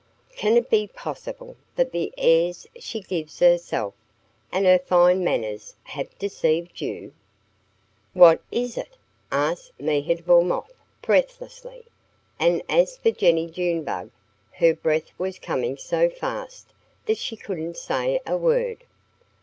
Can it be possible that the airs she gives herself, and her fine manners, have deceived you?" "What is it?" asked Mehitable Moth breathlessly. And as for Jennie Junebug, her breath was coming so fast that she couldn't say a word.